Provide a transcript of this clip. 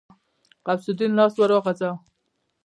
غوث الدين لاس ور وغځاوه.